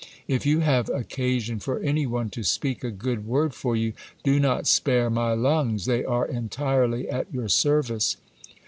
If you have occasion for any one to speak a good word for you, do not spare my lungs ; they are entirely at your service.